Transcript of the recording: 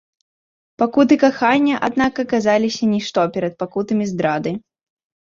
Пакуты кахання, аднак, аказаліся нішто перад пакутамі здрады.